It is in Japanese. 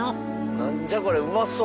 なんじゃこれうまそう。